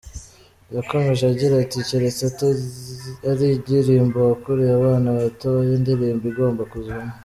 Yakomeje agira ati, Keretse ari indirimbo wakoreye abana batoya, indirimbo igomba kuzamo.